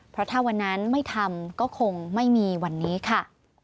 เพราะถ้าวันนั้นไม่ทำก็คงไม่มีวันนี้ค่ะ